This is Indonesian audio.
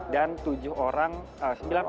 dan sembilan orang cugenang